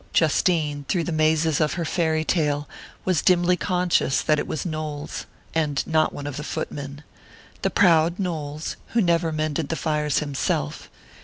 Justine, through the mazes of her fairy tale, was dimly conscious that it was Knowles, and not one of the footmen...the proud Knowles, who never mended the fires himself....